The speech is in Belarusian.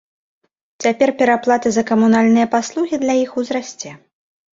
Цяпер пераплата за камунальныя паслугі для іх узрасце.